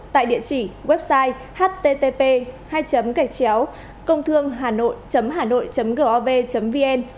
tại địa chỉ website http côngthươnghanoi hanoi gov vn